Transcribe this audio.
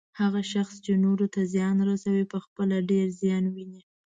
هغه شخص چې نورو ته زیان رسوي، پخپله ډیر زیان ويني